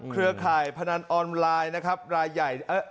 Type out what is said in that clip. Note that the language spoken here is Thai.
เครือข่ายพนันออนไลน์นะครับรายใหญ่